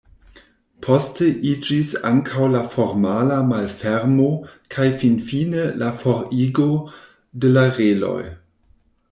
Poste iĝis ankaŭ la formala malfermo kaj finfine la forigo de la reloj.